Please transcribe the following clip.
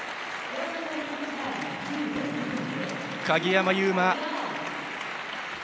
鍵山優真